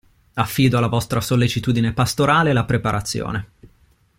Affido alla vostra sollecitudine pastorale la preparazione.